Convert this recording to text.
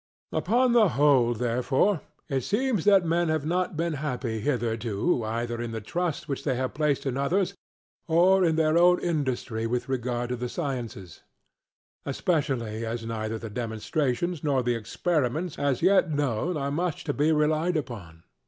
Upon the whole therefore, it seems that men have not been happy hitherto either in the trust which they have placed in others or in their own industry with regard to the sciences; especially as neither the demonstrations nor the experiments as yet known are much to be relied upon.